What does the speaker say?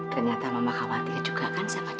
ternyata mama khawatir juga kan sama dia